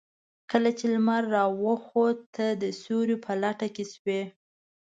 کله چې لمر راوخت تۀ د سيوري په لټه کې شوې.